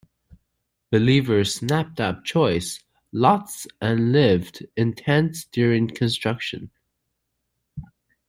Believers snapped up choice lots and lived in tents during construction.